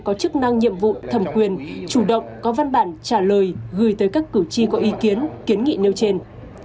có chức năng nhiệm vụ thẩm quyền chủ động có văn bản trả lời gửi tới các cử tri có ý kiến kiến nghị nêu trên